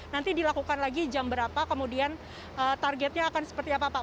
nanti dilakukan lagi jam berapa kemudian targetnya akan seperti apa pak